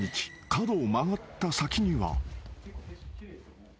角を曲がった先には］